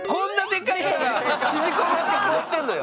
縮こまってこうやってんのよ。